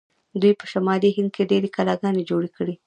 دوی په شمالي هند کې ډیرې کلاګانې جوړې کړې.